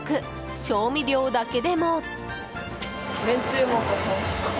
調味料だけでも。